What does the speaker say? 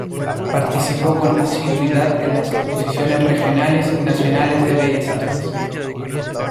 Participó con asiduidad en las exposiciones regionales y nacionales de Bellas Artes.